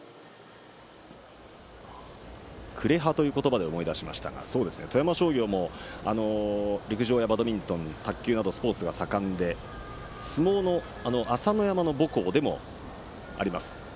呉羽という言葉で思い出しましたが富山商業も陸上やバドミントン、卓球などスポーツが盛んで相撲の朝乃山の母校でもあります。